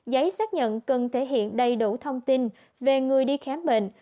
giấy xác nhận cần thể hiện đầy đủ thông tin về người đi khám bệnh